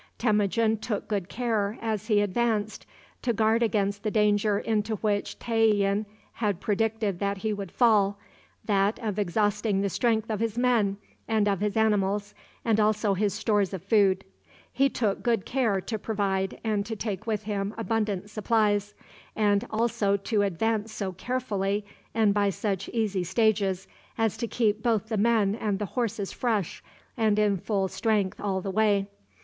Temujin took good care, as he advanced, to guard against the danger into which Tayian had predicted that he would fall that of exhausting the strength of his men and of his animals, and also his stores of food. He took good care to provide and to take with him abundant supplies, and also to advance so carefully and by such easy stages as to keep both the men and the horses fresh and in full strength all the way.